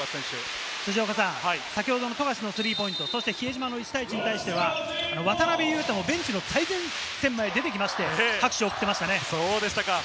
辻岡さん、先ほど富樫のスリーポイント、比江島の１対１に対しては渡邊雄太もベンチの最前線まで出てきまして、拍手を送っていましたね。